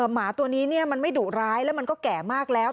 หมาตัวนี้มันไม่ดุร้ายแล้วมันก็แก่มากแล้ว